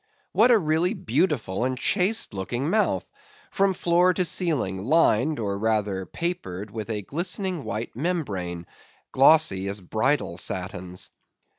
What a really beautiful and chaste looking mouth! from floor to ceiling, lined, or rather papered with a glistening white membrane, glossy as bridal satins.